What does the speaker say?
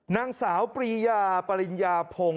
นางสาวปรียาปริญญาพงศ์